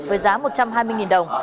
với giá một trăm hai mươi đồng